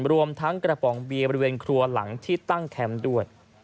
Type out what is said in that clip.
รวมทั้งกระป๋องเบียร์บริเวณครัวหลังที่ตั้งแคมป์ด้วย